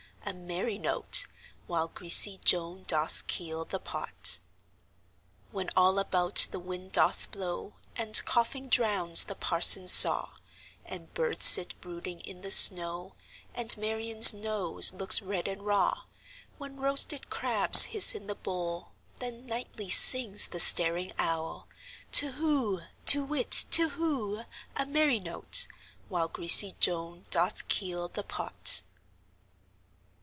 A merry note! While greasy Joan doth keel the pot. When all about the wind doth blow, And coughing drowns the parson's saw, And birds sit brooding in the snow, And Marian's nose looks red and raw; When roasted crabs hiss in the bowl—Then nightly sings the staring owlTu whoo! To whit, Tu whoo! A merry note! While greasy Joan doth keel the pot.